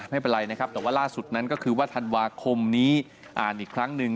ไม่เป็นไรนะครับแต่ว่าล่าสุดนั้นก็คือว่าธันวาคมนี้อ่านอีกครั้งหนึ่ง